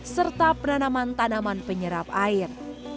serta penanaman tanaman penyerap air